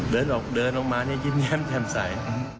เดินออกเดินลงมานี่ยิ้มแย่มใส